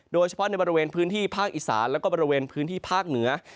โดยเฉพาะในบริเวณพื้นที่ภาคอีสานแล้วก็บริเวณพื้นที่ภาคเหนือ